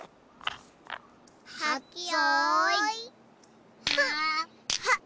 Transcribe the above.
はっけよいはっ！